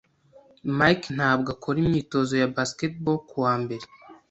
Mike ntabwo akora imyitozo ya basketball kuwa mbere.